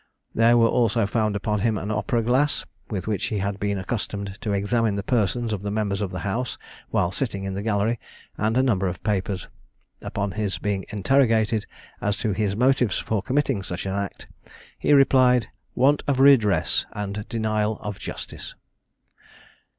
There were also found upon him an opera glass, with which he had been accustomed to examine the persons of the members of the House while sitting in the gallery, and a number of papers. Upon his being interrogated as to his motives for committing such an act, he replied, "Want of redress, and denial of justice."